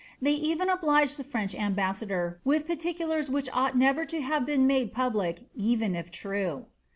Tiiey even obliged the French ambassador with particulars wliich ought never to have been nuKie public, even if true.